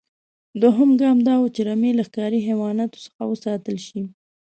دویم ګام دا و چې رمې له ښکاري حیواناتو څخه وساتل شي.